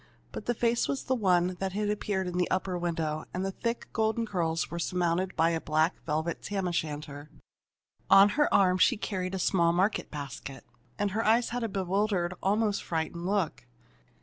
But the face was the one that had appeared in the upper window, and the thick golden curls were surmounted by a black velvet tam o' shanter. On her arm she carried a small market basket, and her eyes had a bewildered, almost frightened, look.